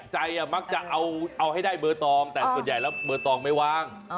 ใจมักจะเอาให้ได้เบอร์ตองแต่ส่วนใหญ่แล้วเบอร์ตองไม่วาง